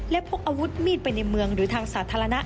และพกอาวุธมีดไปในเมืองหรือทางสาธารณะ